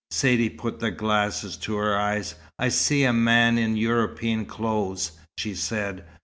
Saidee put the glasses to her eyes. "I see a man in European clothes," she said.